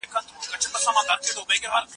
که وخت وي، کار کوم.